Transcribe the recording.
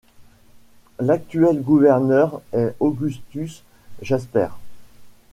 L'actuel gouverneur est Augustus Jaspert.